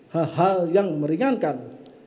hal hal yang meringankan